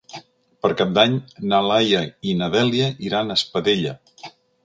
Per Cap d'Any na Laia i na Dèlia iran a Espadella.